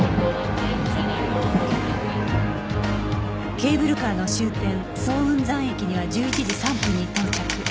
ケーブルカーの終点早雲山駅には１１時３分に到着